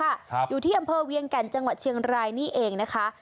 ครับอยู่ที่อำเภอเวียงแก่นจังหวัดเชียงรายนี่เองนะคะ